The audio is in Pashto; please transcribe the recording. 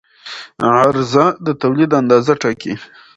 عرضه د تولید اندازه ټاکي.